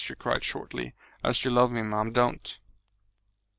she cried shortly. "As you love me, mum, don't!"